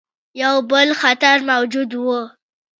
یو بل خطر موجود وو.